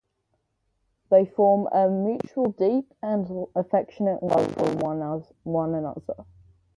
They form a mutual deep and affectionate love for one another.